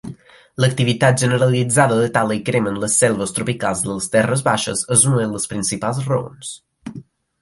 L'activitat generalitzada de tala i crema en les selves tropicals de les terres baixes és una de les principals raons.